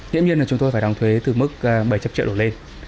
tuy nhiên là chúng tôi phải đóng thuế từ mức bảy trăm linh triệu đổ lên